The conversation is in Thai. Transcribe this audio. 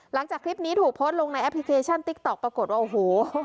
หลังจากคลิปนี้ถูกโพสต์ลงในแอปพลิเคชันติ๊กต๊อกปรากฏว่าโอ้โห